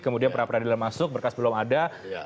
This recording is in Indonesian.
kemudian pra peradilan masuk berkas belum ada